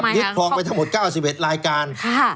คลองไปทั้งหมด๙๑รายการ